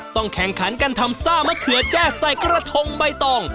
ต้องแข่งขันกันทำซ่ามะเขือแจ้ใส่กระทงใบตอง